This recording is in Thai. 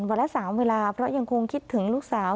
วันละ๓เวลาเพราะยังคงคิดถึงลูกสาว